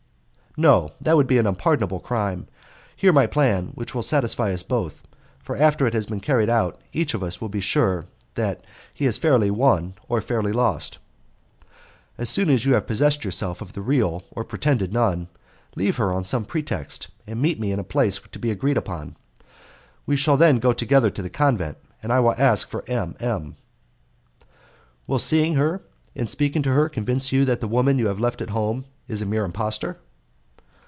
"No, that would be an unpardonable crime. Hear my plan, which will satisfy us both; for after it has been carried out each of us will be sure that he has fairly won or fairly lost. "As soon as you have possessed yourself of the real or pretended nun, leave her on some pretext, and meet me in a place to be agreed upon. We will then go together to the convent, and I will ask for M. M. "Will seeing her and speaking to her convince you that the woman you have left at home is a mere impostor?"